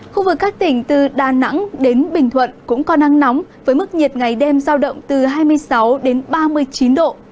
khu vực các tỉnh từ đà nẵng đến bình thuận cũng có nắng nóng với mức nhiệt ngày đêm giao động từ hai mươi sáu đến ba mươi chín độ